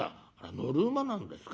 「乗る馬なんですか。